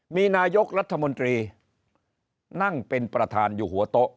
มีนายกรัฐมนตรีนั่งเป็นประธานอยู่หัวโต๊ะ